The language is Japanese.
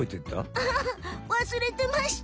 アハハわすれてました！